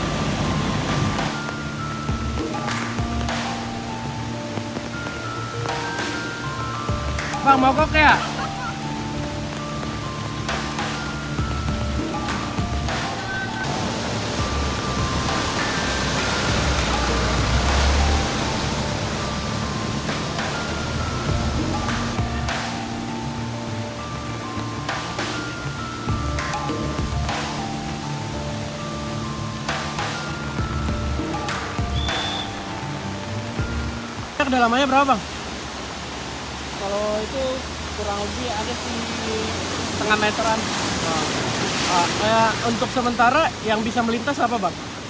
itu kurang lebih ada tinggi setengah meteran untuk sementara yang bisa melintas apa bang